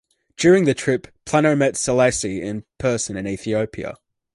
During the trip, Planno met Selassie in person in Ethiopia.